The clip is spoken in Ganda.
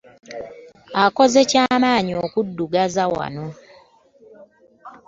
Okoze ky'amanyi okuddugaza wano.